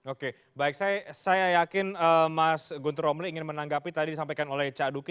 oke baik saya yakin mas guntur omli ingin menanggapi tadi disampaikan oleh cak duki